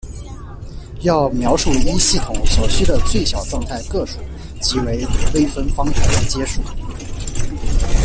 要描述一系统所需的最小状态个数即为微分方程的阶数。